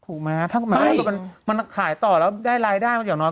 ถูกไหมถ้ามันขายต่อแล้วได้รายได้อย่างน้อย